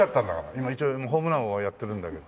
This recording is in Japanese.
今一応ホームラン王をやってるんだけど。